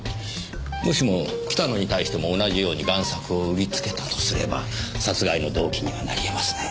もしも北野に対しても同じように贋作を売りつけたとすれば殺害の動機にはなりえますね。